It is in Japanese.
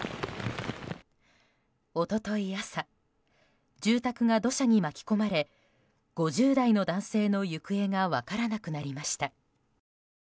一昨日朝住宅が土砂に巻き込まれ５０代の男性の行方が分からなくなりました。